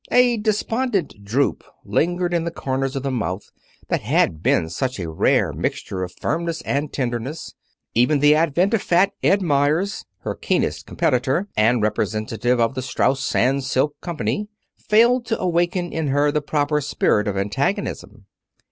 A despondent droop lingered in the corners of the mouth that had been such a rare mixture of firmness and tenderness. Even the advent of Fat Ed Meyers, her keenest competitor, and representative of the Strauss Sans silk Company, failed to awaken in her the proper spirit of antagonism.